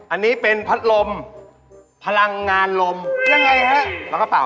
อันนี้เป็นพัดลมพลังงานลมยังไงฮะแล้วก็เปล่า